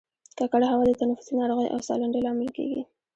ککړه هوا د تنفسي ناروغیو او سالنډۍ لامل کیږي